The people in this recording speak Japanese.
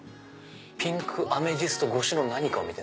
ピンクアメシスト越しの何かを。